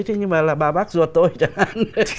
thế nhưng mà là bà bác ruột tôi chẳng ăn